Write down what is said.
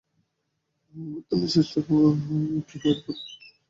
অভ্যুত্থানচেষ্টা ব্যর্থ হওয়ার পরপরই তিনি সন্দেহভাজন সবার বিরুদ্ধে কঠোর অভিযান শুরু করেন।